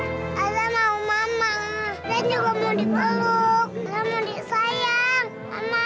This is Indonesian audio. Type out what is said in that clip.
saya mau mama saya juga mau dipeluk saya mau disayang mama